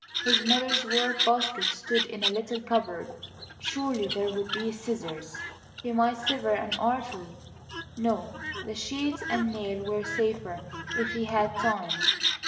His mother's work basket stood in a little cupboard; surely there would be scissors; he might sever an artery. No; the sheet and nail were safer, if he had time.